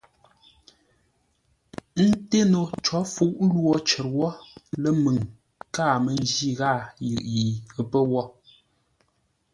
Ə́ ńté no có fuʼ lwo cər wó lə́ məŋ káa mə́ njí ghâa yʉʼ yi ə́ pə́ wó.